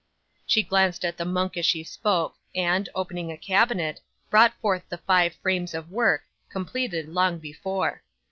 'She glanced at the monk as she spoke, and, opening a cabinet, brought forth the five frames of work, completed long before.